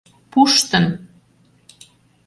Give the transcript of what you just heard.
Пуштын!